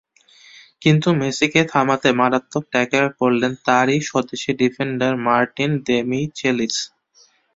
কিন্তু মেসিকে থামাতে মারাত্মক ট্যাকল করলেন তাঁরই স্বদেশি ডিফেন্ডার মার্টিন দেমিচেলিস।